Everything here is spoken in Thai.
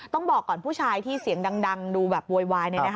ต้องบอกก่อนผู้ชายที่เสียงดังดูแบบโวยวาย